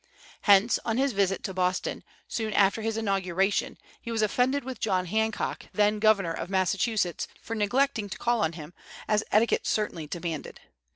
Hence, on his visit to Boston, soon after his inauguration, he was offended with John Hancock, then governor of Massachusetts, for neglecting to call on him, as etiquette certainly demanded.